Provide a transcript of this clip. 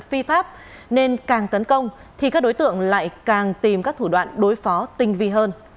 phi pháp nên càng tấn công thì các đối tượng lại càng tìm các thủ đoạn đối phó tinh vi hơn